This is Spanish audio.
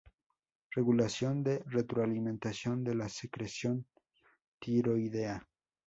Regulación por retroalimentación de la secreción tiroidea.